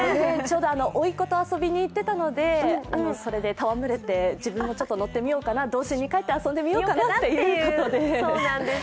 おいっ子と一緒に遊びに行ってたので、たわむれて自分もちょっと乗ってみようかな、童心に返って遊んでみようかなということで。